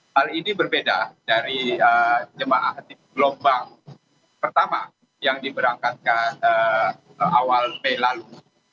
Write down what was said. hal ini berbeda dari jemaah gelombang pertama yang diberangkatkan awal mei lalu